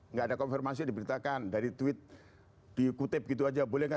nggak ada konfirmasi diberitakan dari tweet dikutip gitu aja boleh nggak